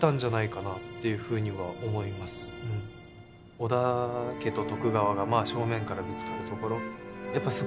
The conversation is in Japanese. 織田家と徳川がまあ、正面からぶつかるところ。